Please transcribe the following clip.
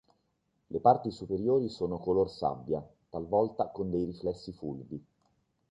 Le parti superiori sono color sabbia, talvolta con dei riflessi fulvi.